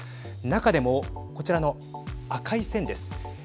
中でも、こちらの赤い線です。